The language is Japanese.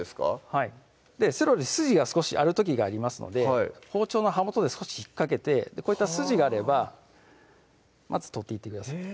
はいセロリ筋が少しある時がありますので包丁の刃元で少し引っかけてこういった筋があればまず取っていってください